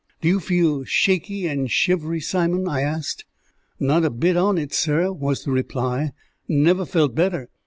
"Do you feel shaky and shivery, Simon?" I asked. "Not a bit on it, sir," was the reply. "Never felt better.